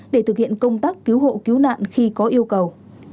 để thực hiện công tác cứu hộ cứu nạn khi có yêu cầu